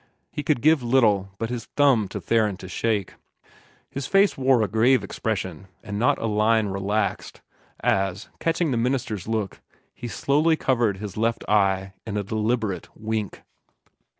He could give little but his thumb to Theron to shake. His face wore a grave expression, and not a line relaxed as, catching the minister's look, he slowly covered his left eye in a deliberate wink.